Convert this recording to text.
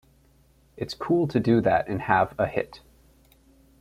It's cool to do that and have a hit.